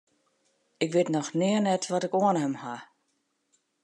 Ik wit noch nea net wat ik oan him haw.